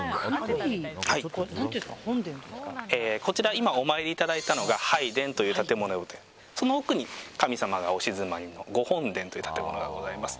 今、お参りいただいたのが拝殿という建物でその奥に神様がお鎮まりのご本殿という建物がございます。